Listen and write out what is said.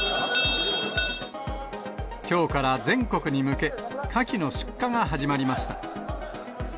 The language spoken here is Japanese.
きょうから全国に向け、カキの出荷が始まりました。